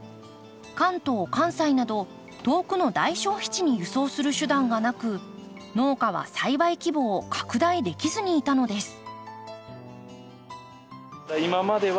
関東関西など遠くの大消費地に輸送する手段がなく農家は栽培規模を拡大できずにいたのです。